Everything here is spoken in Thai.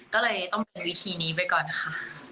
ก็เลยต้องมาดูทีนี้ไปก่อนค่ะ